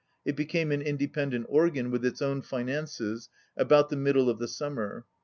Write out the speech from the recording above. It became an independent or gan with its own finances about the middle of the summer.